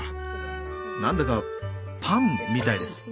何だかパンみたいです。